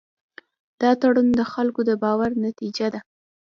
دا تړون د خلکو د باور نتیجه ده.